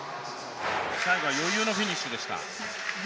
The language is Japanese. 最後は余裕のフィニッシュでした。